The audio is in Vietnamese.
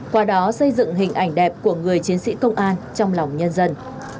qua đó xây dựng hình ảnh đẹp của người chiến sĩ công an trong lòng nhân dân